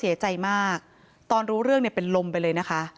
เสียใจมากตอนรู้เรื่องเนี่ยเป็นลมไปเลยนะคะ